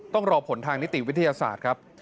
ต้องรอผลทางนิติวิทยาศาสตร์ครับ